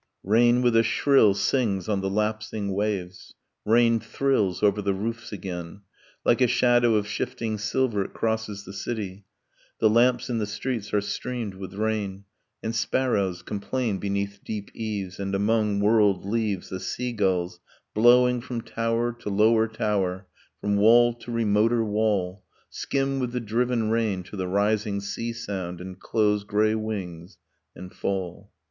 Rain with a shrill sings on the lapsing waves; Rain thrills over the roofs again; Like a shadow of shifting silver it crosses the city; The lamps in the streets are streamed with rain; And sparrows complain beneath deep eaves, And among whirled leaves The sea gulls, blowing from tower to lower tower, From wall to remoter wall, Skim with the driven rain to the rising sea sound And close grey wings and fall